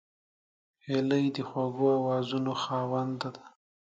هیلۍ د خوږو آوازونو خاوند ده